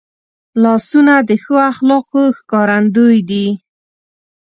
لاسونه د ښو اخلاقو ښکارندوی دي